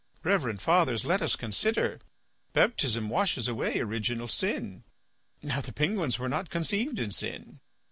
Reverend Fathers, let us consider. Baptism washes away original sin; now the penguins were not conceived in sin.